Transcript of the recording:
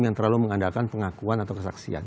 yang terlalu mengandalkan pengakuan atau kesaksian